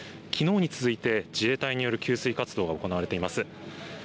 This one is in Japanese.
きのうに続いて自衛隊による給水活動が行われています。